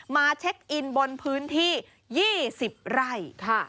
มาเช็คอินบนพื้นที่๒๐ไร่ค่ะ